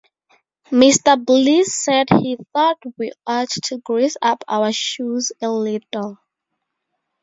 Mr. Bliss said he thought we ought to grease up our shoes a little.